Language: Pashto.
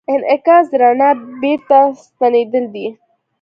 انعکاس د رڼا بېرته ستنېدل دي.